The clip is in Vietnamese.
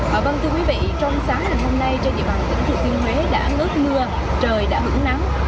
và vâng thưa quý vị trong sáng ngày hôm nay trên địa bàn tỉnh thừa thiên huế đã ngớt mưa trời đã hứng nắng